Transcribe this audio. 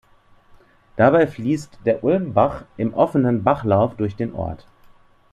Dabei fließt der Ulmbach im offenen Bachlauf durch den Ort.